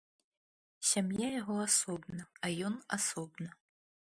Сям'я яго асобна, а ён асобна.